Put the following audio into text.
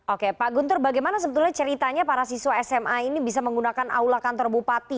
oke pak guntur bagaimana sebetulnya ceritanya para siswa sma ini bisa menggunakan aula kantor bupati